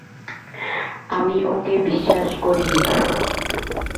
আমি ওকে বিশ্বাস করিনি!